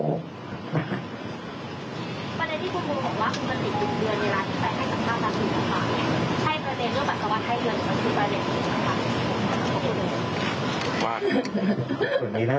ส่วนใดที่คุณกูบอกว่าคุณกระติดรวมเวลาเวลาที่๒๘๓๐๐๐๐๐ต้องการคุณทักข่าวไหม